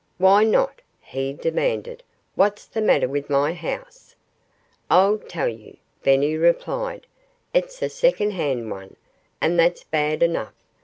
"Why not?" he demanded. "What's the matter with my house?" "I'll tell you," Benny replied. "It's a second hand one. And that's bad enough.